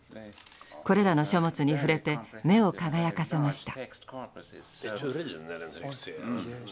これらの書物に触れて目を輝かせました。